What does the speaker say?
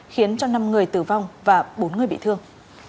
khiến cho năm người tử vong và bốn người bị thương